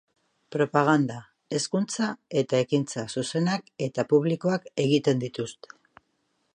Propaganda, hezkuntza eta ekintza zuzenak eta publikoak egiten dituzte.